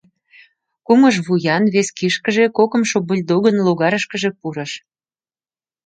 Кумыж вуян вес кишкыже кокымшо бульдогын логарышкыже пурыш.